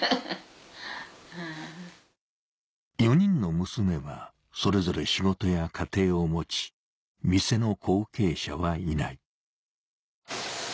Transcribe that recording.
４人の娘はそれぞれ仕事や家庭を持ち店の後継者はいない